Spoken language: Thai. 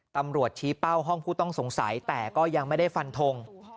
ตำรวจชี้เป้าห้องผู้ต้องสงสัยแต่ก็ยังไม่ได้ฟันทง